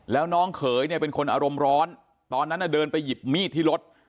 แล้วน้องเขยเนี่ยเป็นคนอารมณ์ร้อนตอนนั้นเดินไปหยิบมีดที่รถ